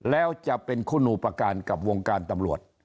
แล้วจะเป็นคู่หนูประการกับวงการตำรวจ